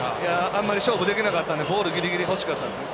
あまり勝負できなかったのでボールギリギリほしかったんですね。